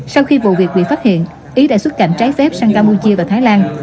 sau khi vụ việc bị phát hiện ý đã xuất cảnh trái phép sang campuchia và thái lan